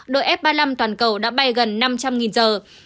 đội f ba mươi năm toàn cầu đã bay gần năm trăm linh giờ